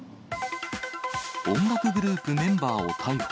音楽グループメンバーを逮捕。